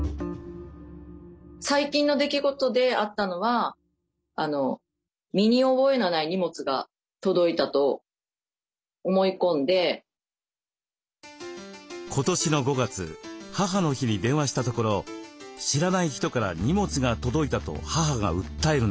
最近の出来事であったのは今年の５月母の日に電話したところ「知らない人から荷物が届いた」と母が訴えるのです。